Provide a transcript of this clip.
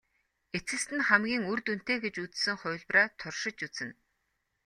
Эцэст нь хамгийн үр дүнтэй гэж үзсэн хувилбараа туршиж үзнэ.